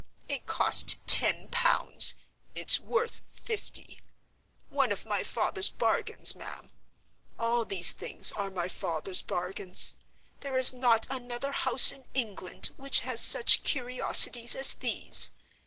It cost ten pounds; it's worth fifty. One of my father's bargains, ma'am. All these things are my father's bargains. There is not another house in England which has such curiosities as these.